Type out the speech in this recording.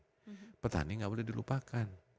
jadi waktu kita membangun petani kita harus memikirkan petani